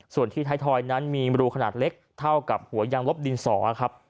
ส่วนที่ท้ายทอยนั้นมีรูขนาดเล็กเท่ากับหัวยังลบดินสอครับ